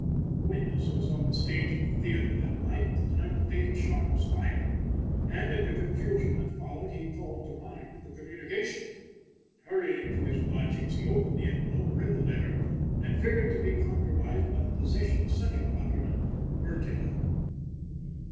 The witness was on the stage of the theatre that night at the time the fatal shot was fired, and, in the confusion that followed, he called to mind the communication. Hurrying to his lodgings he opened the envelope, read the letter, and, fearing to be compromised by the possession of such a document, burnt it up.